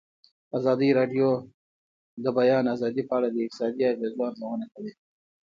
ازادي راډیو د د بیان آزادي په اړه د اقتصادي اغېزو ارزونه کړې.